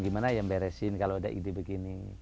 gimana ya beresin kalau ada ide begini